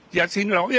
dạ xin lỗi